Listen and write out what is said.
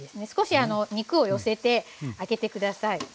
少し肉を寄せてあけて下さい。